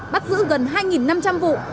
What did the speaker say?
bắt giữ gần hai năm trăm linh vụ